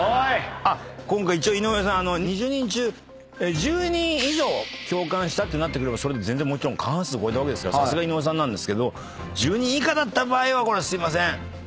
今回一応井上さん２０人中１０人以上共感したってなってくれれば過半数超えたわけですから「さすが井上さん」なんですけど１０人以下だった場合はこれすいません。